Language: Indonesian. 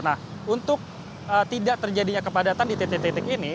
nah untuk tidak terjadinya kepadatan di titik titik ini